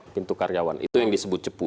pintu karyawan itu yang disebut cepu